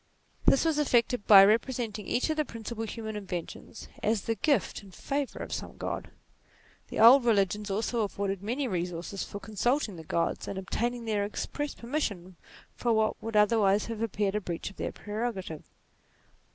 This was effected by repre senting each of the principal human inventions as the gift and favour of some God. The old religions also afforded many resources for consulting the Gods, and obtaining their express permission for what would otherwise have appeared a breach of their prerogative.